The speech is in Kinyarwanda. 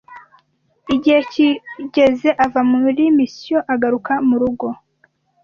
igihe kigeze ava muri misiyo agaruka mu rugo.